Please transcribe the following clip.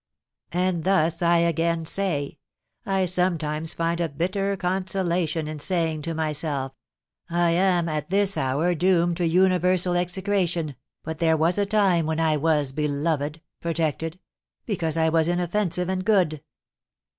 And thus, I again say, I sometimes find a bitter consolation in saying to myself, 'I am, at this hour, doomed to universal execration, but there was a time when I was beloved, protected, because I was inoffensive and good.